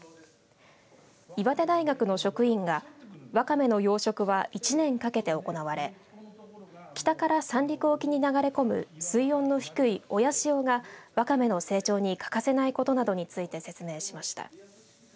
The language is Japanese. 岩手大学の職員がワカメの養殖は１年かけて行われ北から三陸沖に流れ込む水温の低い親潮がワカメの成長に欠かせないことなどについて説明しました。